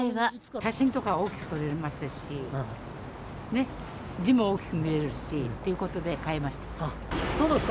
写真とか大きく撮れますし、ね、字も大きく見えるしということで替えました。